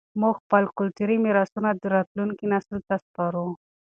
موږ خپل کلتوري میراثونه راتلونکي نسل ته سپارو.